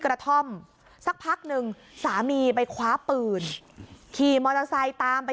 กระท่อมสักพักหนึ่งสามีไปคว้าปืนขี่มอเตอร์ไซค์ตามไป